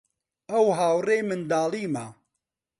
ئەو هاوڕێی منداڵیمە.